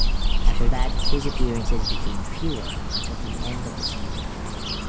After that, his appearances became fewer until the end of the season.